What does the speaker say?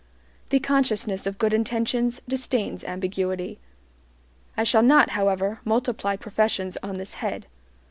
The consciousness of good intentions disdains ambiguity. I shall not, however, multiply professions on this head.